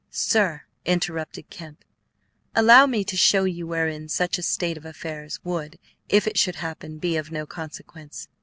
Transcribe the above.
"Sir," interrupted Kemp, "allow me to show you wherein such a state of affairs would, if it should happen, be of no consequence.